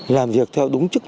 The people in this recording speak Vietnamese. làm việc theo đúng chức